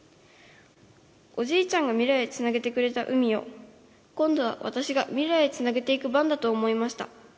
おじいちゃんがみらいへつなげてくれた海をこんどはわたしがみらいへつなげていく番だと思いました。